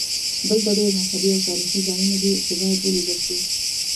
دلته ډېر مذهبي او تاریخي ځایونه دي چې باید ولیدل شي.